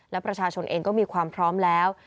และประชาชนเองก็มีความพร้อมแล้ว